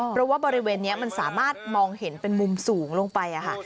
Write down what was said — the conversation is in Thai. เพราะว่าบริเวณนี้มันสามารถมองเห็นเป็นมุมสูงลงไปค่ะ